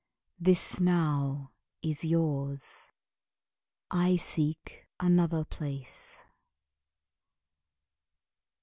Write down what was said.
This now is yours. I seek another place.